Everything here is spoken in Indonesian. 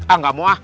ah gak mau ah